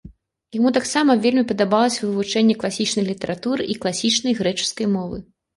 Яму таксама вельмі падабалася вывучэнне класічнай літаратуры і класічнай грэчаскай мовы.